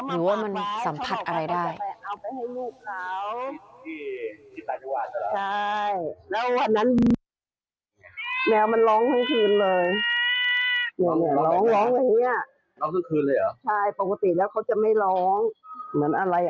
หรือว่ามันสัมผัสอะไรได้